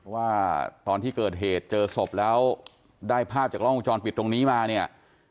ว่าตอนที่เกิดเหตุเจอศพแล้วได้ภาพจากล้องวงจรปิดตรงนี้มาเนี่ย